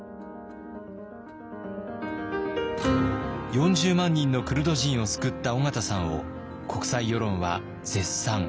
４０万人のクルド人を救った緒方さんを国際世論は絶賛。